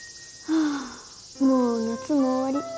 はあもう夏も終わり。